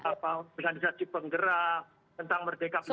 atau organisasi penggerak tentang merdeka pelajar